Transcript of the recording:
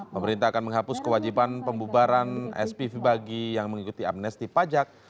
pemerintah akan menghapus kewajiban pembubaran spv bagi yang mengikuti amnesti pajak